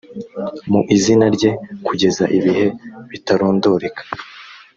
mu izina rye kugeza ibihe bitarondoreka